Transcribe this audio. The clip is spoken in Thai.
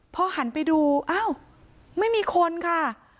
พอหันไปดูอ้าวไม่มีคนค่ะ